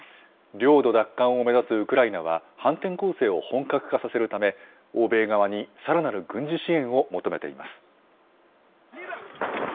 領土奪還を目指すウクライナは、反転攻勢を本格化させるため、欧米側にさらなる軍事支援を求めています。